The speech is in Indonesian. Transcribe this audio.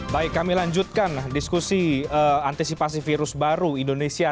baik kami lanjutkan diskusi antisipasi virus baru indonesia